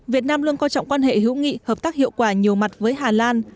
việt nam luôn coi trọng quan hệ hữu nghị hợp tác hiệu quả nhiều mặt với hà lan